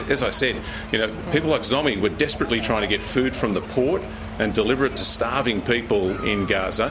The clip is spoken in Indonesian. dan seperti yang saya katakan orang orang seperti zombie kita berusaha untuk mendapatkan makanan dari port dan menghantar untuk orang orang yang mabuk di gasa